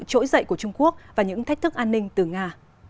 đã đề cập đến sự trỗi dậy của trung quốc và những thách thức an ninh từ nga